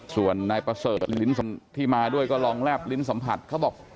ส่วนนายประเสริฐลิ้นที่มาด้วยก็ลองแลบลิ้นสัมผัสเขาบอก